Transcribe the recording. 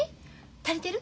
足りてる？